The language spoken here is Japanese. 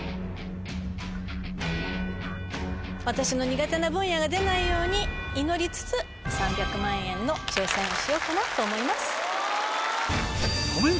私の苦手な分野が出ないように祈りつつ３００万円の挑戦をしようかなと思います。